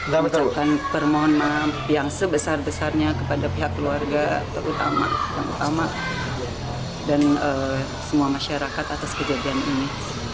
saya ucapkan permohonan yang sebesar besarnya kepada pihak keluarga yang utama dan semua masyarakat atas kejadian ini